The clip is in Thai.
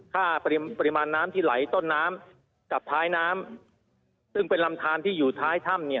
ปริมาณปริมาณน้ำที่ไหลต้นน้ำกับท้ายน้ำซึ่งเป็นลำทานที่อยู่ท้ายถ้ำเนี่ย